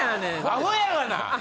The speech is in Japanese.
アホやがな！